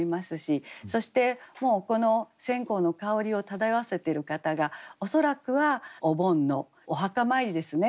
そしてこの線香の香りを漂わせてる方が恐らくはお盆のお墓参りですね。